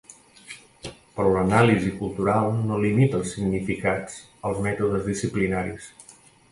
Però l'anàlisi cultural no limita els significats als mètodes disciplinaris.